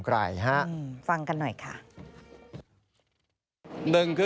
ไม่มีคำสั่ง